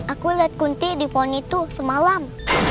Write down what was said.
aku liat kunti di poni tuh semalam